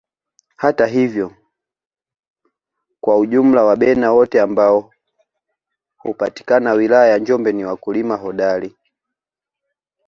Hata hivyo kwa ujumla Wabena wote ambao hupatikana wilaya za Njombe ni wakulima hodari